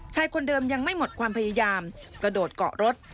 คนเดิมยังไม่หมดความพยายามกระโดดเกาะรถ